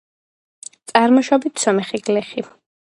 წარმოშობით სომეხი გლეხი.